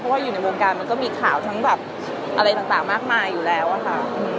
เพราะว่าอยู่ในวงการมันก็มีข่าวทั้งแบบอะไรต่างมากมายอยู่แล้วอะค่ะ